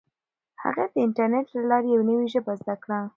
هغې د انټرنیټ له لارې یوه نوي ژبه زده کړه.